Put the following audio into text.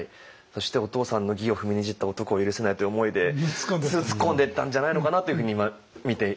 そしてお父さんの義を踏みにじった男を許せないという思いで突っ込んでったんじゃないのかなっていうふうに今見ていました。